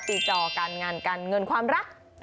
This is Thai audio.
จอการงานการเงินความรัก